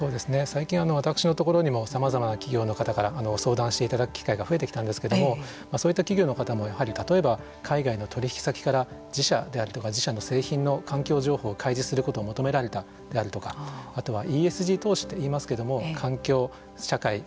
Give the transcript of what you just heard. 最近私のところにもさまざまな企業の方から相談していただく機会が増えてきたんですけどもまあそういった企業の方もやはり例えば海外の取引先から自社であるとか自社の製品の環境情報を開示することを求められたであるとかあとはＥＳＧ投資って言いますけども環境社会そしてガバナンス。